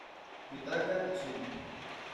Yutaka Azuma